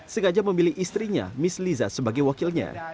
sengaja memilih istrinya miss liza sebagai wakilnya